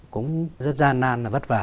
cũng rất gian nan và vất vả